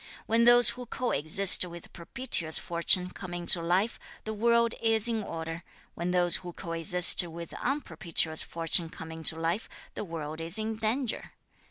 When those who coexist with propitious fortune come into life, the world is in order; when those who coexist with unpropitious fortune come into life, the world is in danger.